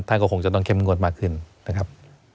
ก็คงจะต้องเข้มงวดมากขึ้นนะครับ